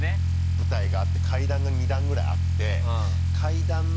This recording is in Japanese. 舞台があって階段が２段ぐらいあって階段のその１段目？